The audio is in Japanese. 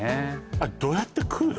あれどうやって食うの？